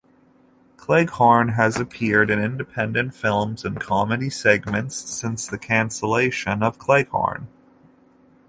Cleghorne has appeared in independent films and comedy segments since the cancellation of Cleghorne!